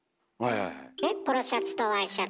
ポロシャツとワイシャツ。